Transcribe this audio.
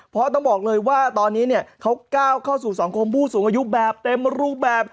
เพราะต้องบอกเลยว่าตอนนี้เนี่ยเขาก้าวเข้าสู่สังคมผู้สูงอายุแบบเต็มรูปแบบ